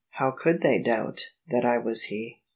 How coidd they doubt that I was he?"